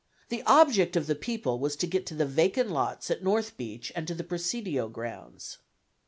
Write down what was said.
The object of the people was to get to the vacant lots at North Beach and to the Presidio grounds.